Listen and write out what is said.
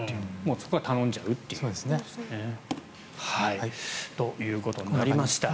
そこは頼んじゃうという。ということになりました。